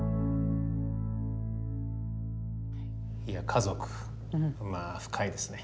家族まあ深いですね。